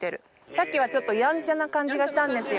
さっきはちょっとヤンチャな感じがしたんですよ。